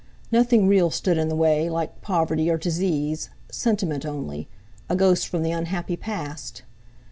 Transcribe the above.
Nothing real stood in the way, like poverty, or disease—sentiment only, a ghost from the unhappy past!